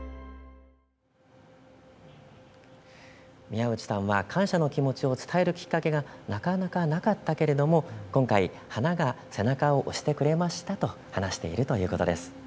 宮内さんは感謝の気持ちを伝えるきっかけがなかなかなかったけれども今回、花が背中を押してくれましたと話しているということです。